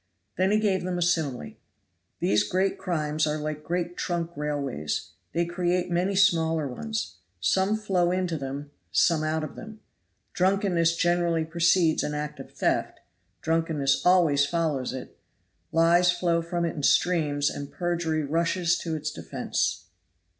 Then he gave them a simile. These great crimes are like great trunk railways. They create many smaller ones. Some flow into them, some out of them. Drunkenness generally precedes an act of theft; drunkenness always follows it; lies flow from it in streams, and perjury rushes to its defense.